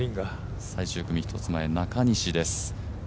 最終組１つ前、中西です。